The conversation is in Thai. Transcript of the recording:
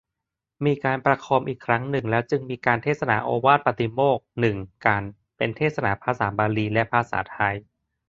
มีการประโคมอีกครั้งหนึ่งแล้วจึงมีการเทศนาโอวาทปาติโมกข์ หนึ่ง กัณฑ์ เป็นทั้งเทศนาภาษาบาลีและภาษาไทย